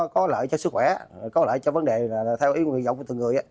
có lợi cho sức khỏe có lợi cho vấn đề là theo ý dọng của từng người